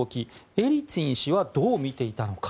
エリツィン氏はどう見ていたのか。